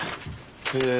へえ